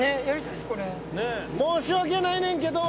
申し訳ないねんけど。